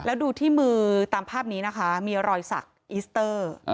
แล้วดูที่มือตามภาพนี้นะคะมีรอยสักอิสเตอร์